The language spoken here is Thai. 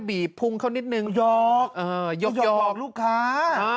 เบ้ยกบอกลูกค้า